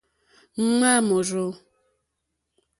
Ŋmáá wòrzô.